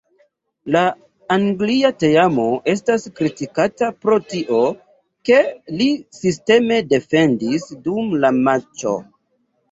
La Anglia teamo estas kritikata pro tio, ke li sisteme defendis dum la matĉo.